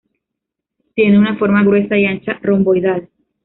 Tiene una forma gruesa y ancha, romboidal.